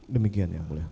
demikian yang mulia